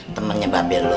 temennya babel lo